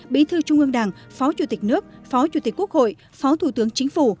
bí thư trung ương đảng phó chủ tịch nước phó chủ tịch quốc hội phó thủ tướng chính phủ